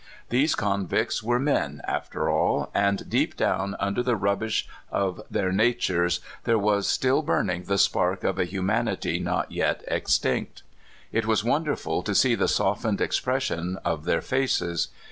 These convicts were men, after all, and deep down under the rubbish of their natures there was still burning the spark of a humanity not yet extinct. It was w^onderful to see the soft ened expression of their faces.